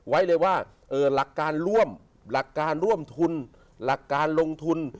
ไว้เลยว่าหลักการร่วมหลักการร่วมทุนหลักการลงทุน